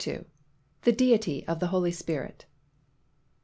THE DEITY OF THE HOLY SPIRIT.